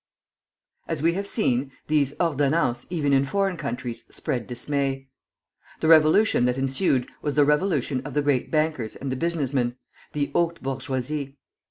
As we have seen, these ordonnances even in foreign countries spread dismay. The revolution that ensued was the revolution of the great bankers and the business men, the haute bourgeoisie.